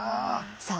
さあ